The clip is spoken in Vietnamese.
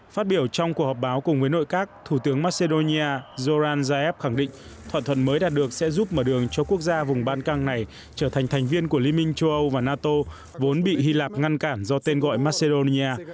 phát biểu trong cuộc họp báo cùng với nội các thủ tướng macedonia zoran zaev khẳng định thỏa thuận mới đạt được sẽ giúp mở đường cho quốc gia vùng ban căng này trở thành thành viên của liên minh châu âu và nato vốn bị hy lạp ngăn cản do tên gọi macedonia